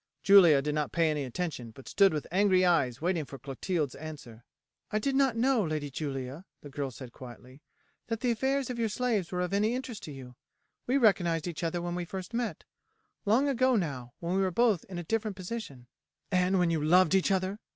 Julia did not pay any attention, but stood with angry eyes waiting for Clotilde's answer. "I did not know, Lady Julia," the girl said quietly, "that the affairs of your slaves were of any interest to you. We recognized each other when we first met. Long ago now, when we were both in a different position " "And when you loved each other?"